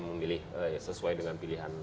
memilih sesuai dengan pilihan